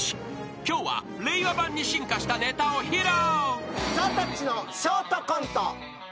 ［今日は令和版に進化したネタを披露］